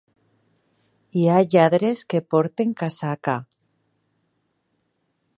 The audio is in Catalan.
Hi ha lladres que porten casaca.